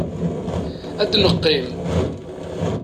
Ad neqqim.